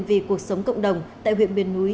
vì cuộc sống cộng đồng tại huyện biển núi